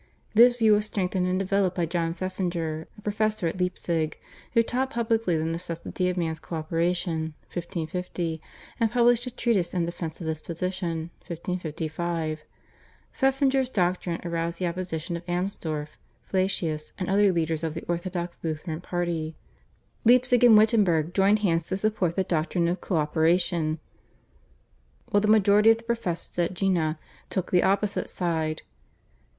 This view was strengthened and developed by John Pfeffinger, a professor at Leipzig, who taught publicly the necessity of man's co operation (1550), and published a treatise in defence of this position (1555). Pfeffinger's doctrine aroused the opposition of Amsdorf, Flacius, and the other leaders of the orthodox Lutheran party. Leipzig and Wittenberg joined hands to support the doctrine of co operation, while the majority of the professors at Jena took the opposite side.